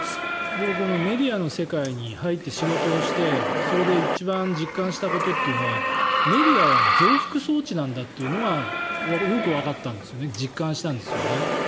僕、このメディアの世界に入って仕事をしてそれで一番実感したことというのはメディアは増幅装置なんだというのがよくわかったんですよね実感したんですよね。